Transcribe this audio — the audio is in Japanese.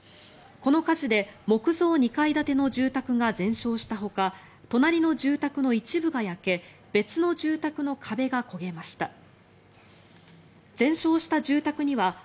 この火事で木造２階建ての住宅が全焼したほか隣の住宅の一部が焼け別の住宅の壁が焦げました。